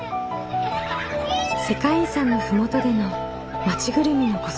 世界遺産の麓での町ぐるみの子育て。